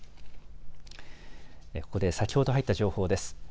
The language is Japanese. ここで先ほど入った情報です。